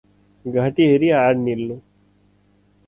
घाँटी हेरी हाड निल्नु ।